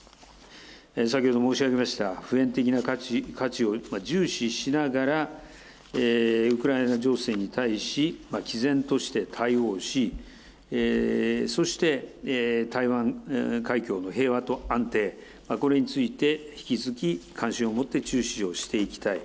先ほど申し上げました、普遍的な価値を重視しながら、ウクライナ情勢に対し、きぜんとして対応し、そして、台湾海峡の平和と安定、これについて、引き続き関心を持って注視をしていきたい。